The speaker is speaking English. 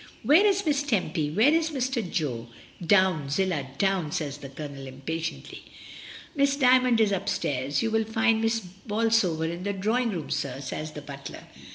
"Where is Miss Tempy, where is Mr. Jo? Down, Zillah — down!" says the Colonel, impatiently, "Miss D)rmond is upstairs; you will find Miss Bolsover in the drawing room, sir," says the butler.